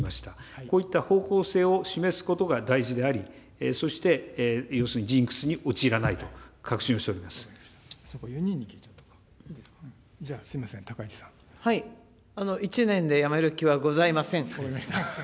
こういった方向性を示すことが大事であり、そして、要するにジンクスに陥らないと確信をしておりじゃあ、すみません、高市さ１年で辞める気はございません。